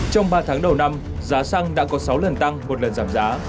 trong ba tháng đầu năm giá xăng đã có sáu lần tăng một lần giảm giá